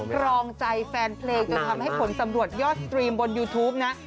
ครองใจแฟนเพลงจนทำให้ผลสำรวจยอดสตรีมบนยูทูปนะ